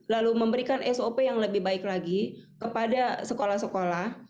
lalu memberikan sop yang lebih baik lagi kepada sekolah sekolah